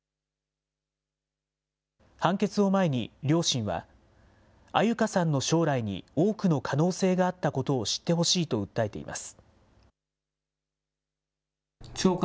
判決を前に両親は、安優香さんの将来に多くの可能性があったことを知ってほしいと訴えています。